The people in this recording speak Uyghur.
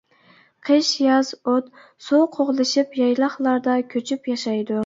قىش-ياز ئوت، سۇ قوغلىشىپ يايلاقلاردا كۆچۈپ ياشايدۇ.